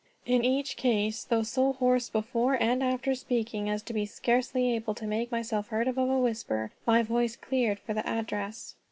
In each case, though so hoarse before and after speaking as to be scarcely able to make myself heard above a whisper, my voice cleared for the address.